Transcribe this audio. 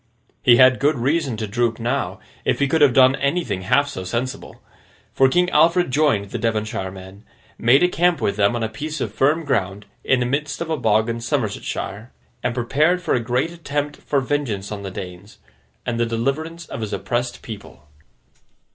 He had good reason to droop, now, if he could have done anything half so sensible; for, King Alfred joined the Devonshire men; made a camp with them on a piece of firm ground in the midst of a bog in Somersetshire; and prepared for a great attempt for vengeance on the Danes, and the deliverance of his oppressed people.